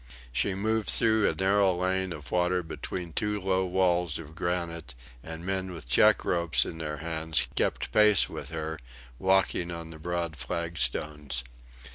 She moved through a narrow lane of water between two low walls of granite, and men with check ropes in their hands kept pace with her, walking on the broad flagstones.